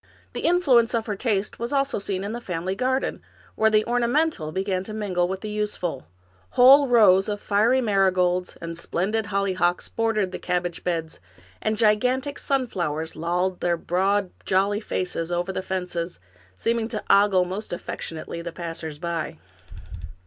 The influence of her taste was seen also in the family garden, where the orna mental began to mingle with the useful ; whole rows of fiery marigolds and splendid hollyhocks bordered the cabbage beds, and gigantic sunflowers lolled their broad, jolly faces over the fences, seeming to ogle most affectionately the passers by.